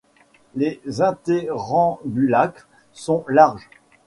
Les interambulacres sont larges.